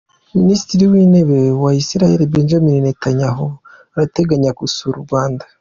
Minisitiri w’Intebe wa Israel, Benjamin Netanyahu arateganya gusura u Rwanda.